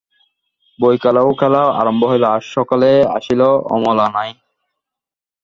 বৈকালেও খেলা আরম্ভ হইল, আর সকলেই আসিল-অমলা নাই।